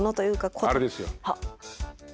あれですよ。